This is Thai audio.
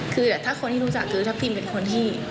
คือถ้าคนที่รู้จักคือถ้าพิมเป็นคนที่